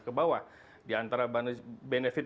ke bawah diantara benefit